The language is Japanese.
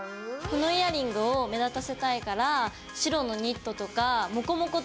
このイヤリングを目立たせたいから白のニットとかモコモコとか着たい。